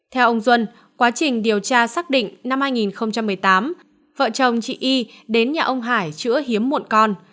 theo ông duân quá trình điều tra xác định năm hai nghìn một mươi tám vợ chồng chị y đến nhà ông hải chữa hiếm muộn con